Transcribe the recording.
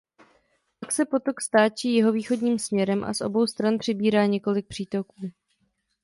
Pak se potok stáčí jihovýchodním směrem a z obou stran přibírá několik přítoků.